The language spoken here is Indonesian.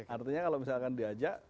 artinya kalau misalkan diajak